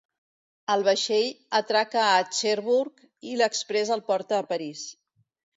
El vaixell atraca a Cherbourg i l'exprés els porta a París.